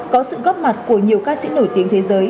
có sự góp mặt của nhiều ca sĩ nổi tiếng thế giới